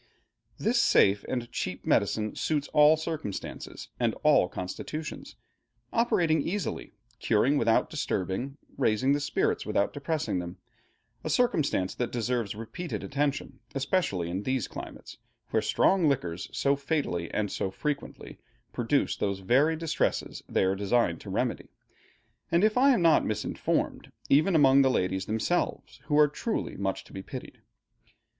This safe and cheap medicine suits all circumstances and all constitutions, operating easily, curing without disturbing, raising the spirits without depressing them, a circumstance that deserves repeated attention, especially in these climates, where strong liquors so fatally and so frequently produce those very distresses they are designed to remedy; and if I am not misinformed, even among the ladies themselves, who are truly much to be pitied.